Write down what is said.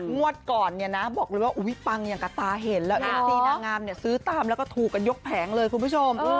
งวดก่อนบอกต่างกระตาเห็นแล้วสีนางงามนลักษณถูกยกแผงเลยคุณผู้ชม